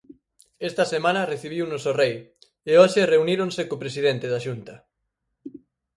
Esta semana recibiunos o Rei, e hoxe reuníronse co presidente da Xunta.